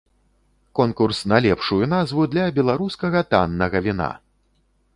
Конкурс на лепшую назву для беларускага таннага віна!